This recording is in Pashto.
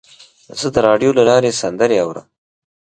زه د راډیو له لارې سندرې اورم.